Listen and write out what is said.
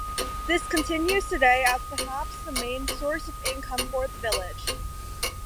This continues today as perhaps the main source of income for the village.